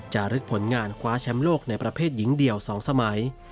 ลึกผลงานคว้าแชมป์โลกในประเภทหญิงเดี่ยว๒สมัย